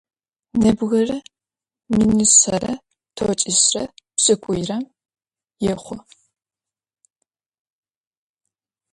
Нэбгырэ минишъэрэ тӏокӏищрэ пшӏыкӏуйрэм ехъу.